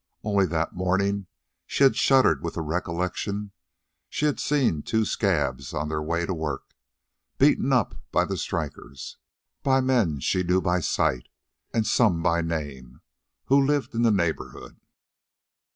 Only that morning, and she shuddered with the recollection, she had seen two scabs, on their way to work, beaten up by the strikers, by men she knew by sight, and some by name, who lived in the neighhorhood.